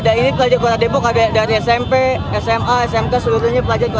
pelajar pelajar sekolah bukan enggak ada ini dari smp sma smt seluruhnya pelajar